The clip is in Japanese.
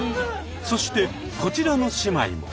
そしてこちらの姉妹も。